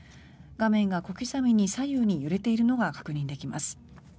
画面が小刻みに左右に揺れているのが確認できます。